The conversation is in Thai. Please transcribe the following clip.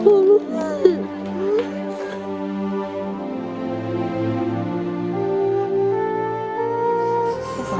ขอบคุณทุกคน